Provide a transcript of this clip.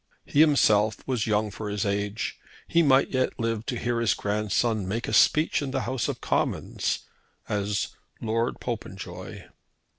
He himself was young for his age. He might yet live to hear his grandson make a speech in the House of Commons as Lord Popenjoy.